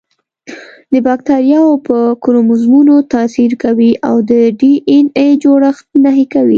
د باکتریاوو په کروموزومونو تاثیر کوي او د ډي این اې جوړښت نهي کوي.